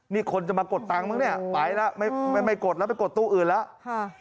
นี่คนจะมากดตังค์มั้งเนี่ยไปแล้วไม่ไม่กดแล้วไปกดตู้อื่นแล้วค่ะ